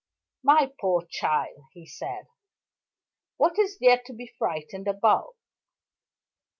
"My poor child!" he said, "what is there to be frightened about?